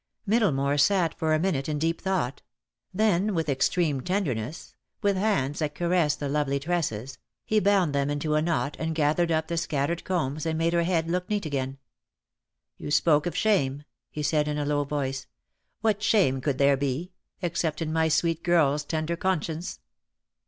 Middlemore DEAD LOVE HAS CHAINS. 259 sat for a minute in deep thought; then with ex treme tenderness, with hands that caressed the lovely tresses, he bound them into a knot and gathered up the scattered combs and made her head look neat again. .'.. "You spoke of shame," he said in a low voice. "What shame could there be — except in my sweet girl's tender conscience?"